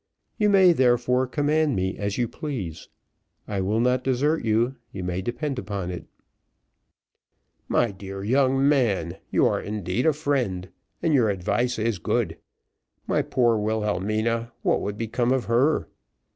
You may therefore command me as you please. I will not desert you, you may depend upon it." "My dear young man, you are indeed a friend, and your advice is good. My poor Wilhelmina, what would become of her."